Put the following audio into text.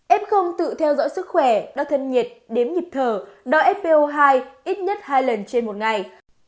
f tự theo dõi sức khỏe đo thân nhiệt đếm nhịp thở đo fpo hai ít nhất hai lần trên một ngày